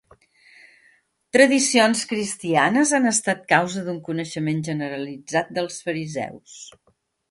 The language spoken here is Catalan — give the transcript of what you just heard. Tradicions cristianes han estat causa d'un coneixement generalitzat dels fariseus.